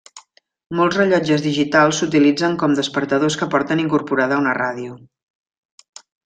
Molts rellotges digitals s'utilitzen com despertadors que porten incorporada una ràdio.